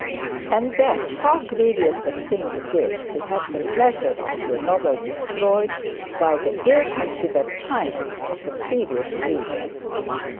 And then, how grievous a thing it is to have the pleasure of your novel destroyed by the ill considered triumph of a previous reader.